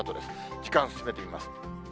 時間進めていきます。